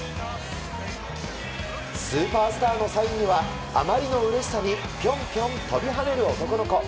スーパースターのサインはあまりのうれしさにピョンピョン飛び跳ねる男の子。